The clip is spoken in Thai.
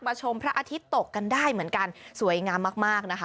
ชมพระอาทิตย์ตกกันได้เหมือนกันสวยงามมากมากนะคะ